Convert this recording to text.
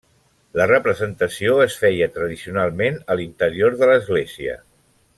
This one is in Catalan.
La representació es feia tradicionalment a l'interior de l'església.